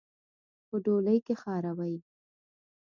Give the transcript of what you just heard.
په ډولۍ کې خاروئ.